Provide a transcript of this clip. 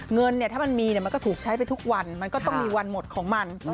เงินถ้ามันมีมันก็ถูกใช้ไปทุกวันมันก็ต้องมีวันหมดของมัน